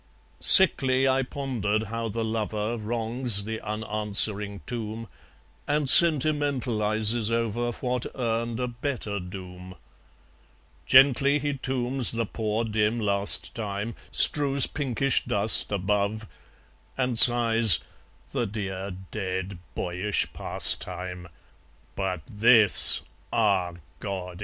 Sickly I pondered how the lover Wrongs the unanswering tomb, And sentimentalizes over What earned a better doom. Gently he tombs the poor dim last time, Strews pinkish dust above, And sighs, "The dear dead boyish pastime! But THIS ah, God!